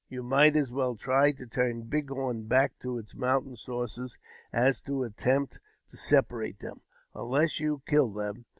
You might as well try to turn Big Horn back to its mountain sources as to attempt to separate them, unless you kill them.